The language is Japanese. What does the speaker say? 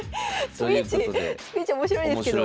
スピーチスピーチ面白いですけど。